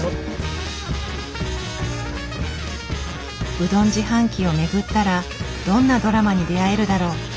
うどん自販機を巡ったらどんなドラマに出会えるだろう？